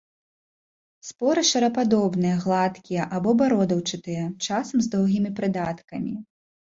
Споры шарападобныя, гладкія або бародаўчатыя, часам з доўгімі прыдаткамі.